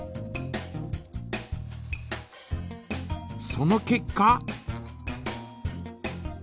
その結果？